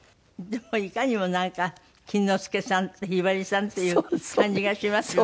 でもいかにもなんか錦之介さんとひばりさんっていう感じがしますよね。